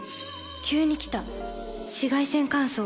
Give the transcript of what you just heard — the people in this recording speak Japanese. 急に来た紫外線乾燥。